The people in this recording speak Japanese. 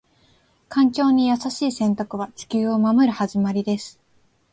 環境に優しい選択は、地球を守る始まりです。